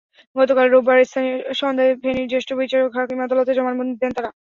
গতকাল রোববার সন্ধ্যায় ফেনীর জ্যেষ্ঠ বিচারিক হাকিম আদালতে জবানবন্দি দেন তাঁরা।